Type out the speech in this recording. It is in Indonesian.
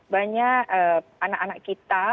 banyak anak anak kita